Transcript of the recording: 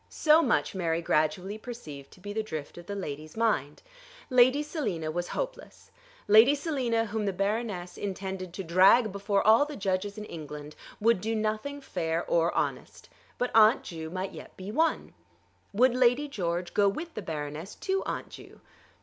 So much Mary gradually perceived to be the drift of the lady's mind. Lady Selina was hopeless. Lady Selina, whom the Baroness intended to drag before all the judges in England, would do nothing fair or honest; but Aunt Ju might yet be won. Would Lady George go with the Baroness to Aunt Ju?